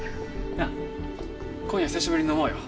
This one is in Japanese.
なあ今夜久しぶりに飲もうよ。